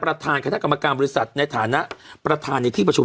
ประธานคณะกรรมการบริษัทในฐานะประธานในที่ประชุม